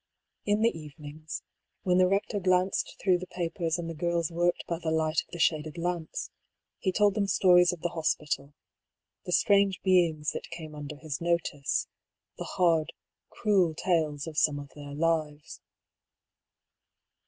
In the evenings, when the Eector glanced through the papers and the girls worked by the light of the shaded lamps, he told them stories of the hospital : the strange beings that came under his notice, the hard, cruel tales of some of their lives.